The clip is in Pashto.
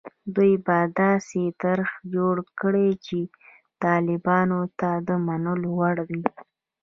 دوی به داسې طرح جوړه کړي چې طالبانو ته د منلو وړ وي.